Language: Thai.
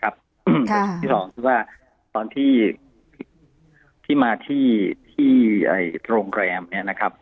ค่ะที่สองคือว่าตอนที่ที่มาที่ที่ไอ้โรงแรมเนี้ยนะครับ